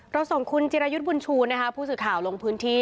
ส่งคุณจิรายุทธ์บุญชูนะคะผู้สื่อข่าวลงพื้นที่